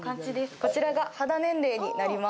こちらが肌年齢になります。